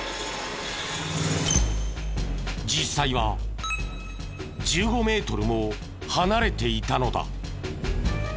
実際は１５メートルも離れていたのだ。